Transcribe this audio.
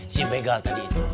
si begal tadi